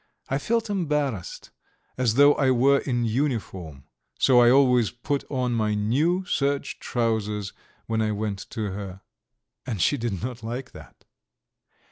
I felt embarrassed, as though I were in uniform, so I always put on my new serge trousers when I went to her. And she did not like that.